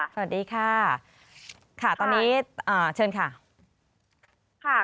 สวัสดีค่ะ